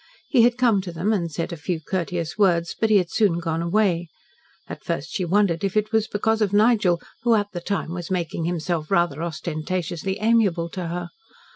He had come to them and said a few courteous words, but he had soon gone away. At first she wondered if it was because of Nigel, who at the time was making himself rather ostentatiously amiable to her.